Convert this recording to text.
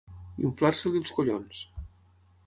Inflar-se-li els collons.